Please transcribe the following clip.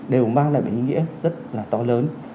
đều mang lại ý nghĩa rất là to lớn